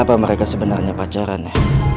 apa mereka sebenarnya pacaran ya